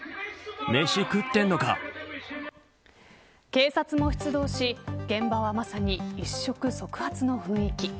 警察も出動し現場はまさに一触即発の雰囲気。